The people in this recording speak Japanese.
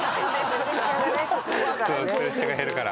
プレッシャーが減るから。